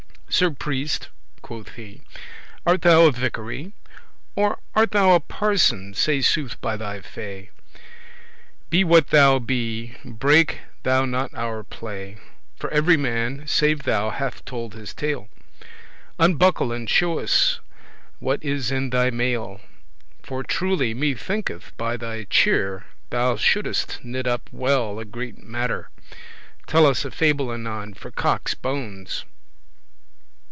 Sir Priest," quoth he, "art thou a vicary?* *vicar Or art thou a Parson? say sooth by thy fay.* *faith Be what thou be, breake thou not our play; For every man, save thou, hath told his tale. Unbuckle, and shew us what is in thy mail.* *wallet For truely me thinketh by thy cheer Thou shouldest knit up well a great mattere. Tell us a fable anon, for cocke's bones."